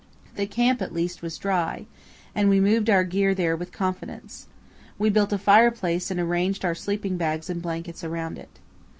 The camp at least was dry, and we moved our gear there with confidence. We built a fireplace and arranged our sleeping bags and blankets around it.